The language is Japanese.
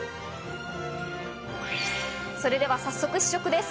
それでは早速試食です。